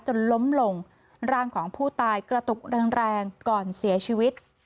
จนล้มลงร่างของผู้ตายกระตุกแรงแรงก่อนเสียชีวิต